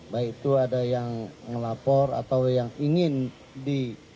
baik itu ada yang ngelapor atau yang ingin di